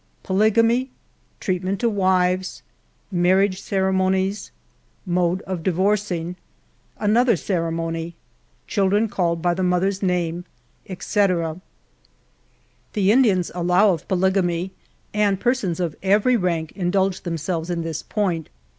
Poligamy Treatment to Wives Marriage Ceremonies JWode of Divorceing another Ceremony Children called by the J^iGther^x name &c. The Indians allow of polygamy; and persons of every rank indulge themselves in this point.